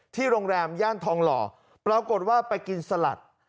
โรงแรมย่านทองหล่อปรากฏว่าไปกินสลัด